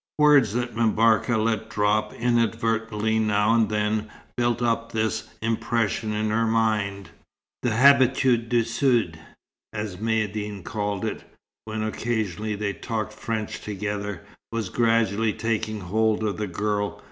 Words that M'Barka let drop inadvertently now and then, built up this impression in her mind. The "habitude du Sud," as Maïeddine called it, when occasionally they talked French together, was gradually taking hold of the girl.